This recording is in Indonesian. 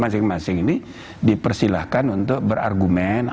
masing masing ini dipersilahkan untuk berargumen